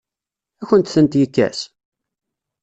Ad akent-tent-yekkes?